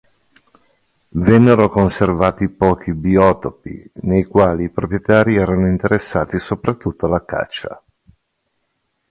Vennero conservati pochi biotopi nei quali i proprietari erano interessati soprattutto alla caccia.